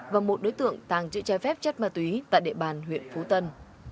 và một đối tượng tàng chữ trái phép chất ma túy tại địa bàn huyện phú tân